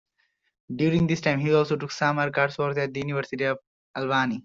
During this time he also took summer coursework at the University at Albany.